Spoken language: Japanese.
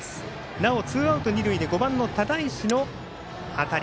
なおツーアウト、二塁で５番の只石の当たり。